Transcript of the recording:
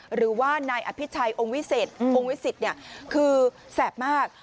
หรือว่านายอภิชัยองค์วิเศษองค์วิสิตคือแสบมาก